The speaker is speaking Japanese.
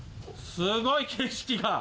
すごい景色だ！